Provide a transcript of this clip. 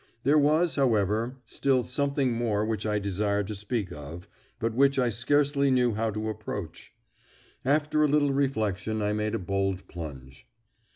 There was, however, still something more which I desired to speak of, but which I scarcely knew how to approach. After a little reflection I made a bold plunge.